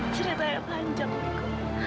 cerita yang panjang